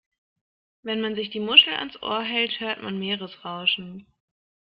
Wenn man sich die Muschel ans Ohr hält, hört man Meeresrauschen.